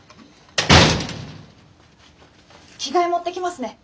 着替え持ってきますね。